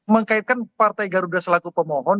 mengkaitkan partai garuda selaku pemohon